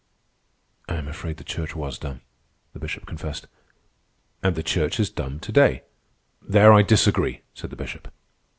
"I am afraid the Church was dumb," the Bishop confessed. "And the Church is dumb to day." "There I disagree," said the Bishop.